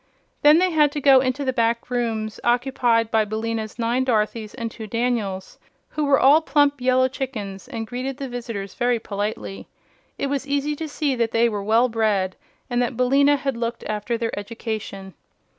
Then they had to go into the back rooms occupied by Billina's nine Dorothys and two Daniels, who were all plump yellow chickens and greeted the visitors very politely. It was easy to see that they were well bred and that Billina had looked after their education.